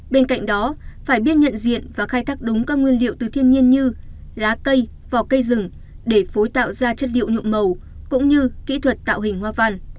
bên cạnh đó phải biết nhận diện và khai thác đúng các nguyên liệu từ thiên nhiên như lá cây vỏ cây rừng để phối tạo ra chất liệu nhuộm màu cũng như kỹ thuật tạo hình hoa văn